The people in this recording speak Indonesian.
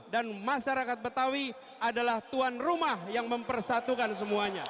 dan masyarakat betawi adalah tuan rumah yang mempersatukan semuanya